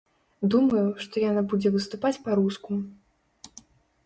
Думаю, што яна будзе выступаць па-руску.